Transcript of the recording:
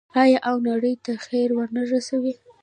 آیا او نړۍ ته خیر ورنه رسوي؟